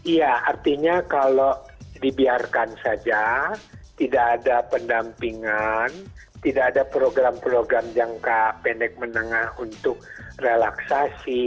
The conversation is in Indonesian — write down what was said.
iya artinya kalau dibiarkan saja tidak ada pendampingan tidak ada program program jangka pendek menengah untuk relaksasi